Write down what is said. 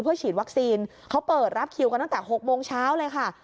เพื่อฉีดวัคซีนเขาเปิดรับคิวกันตั้งแต่๖โมงเช้าเลยค่ะ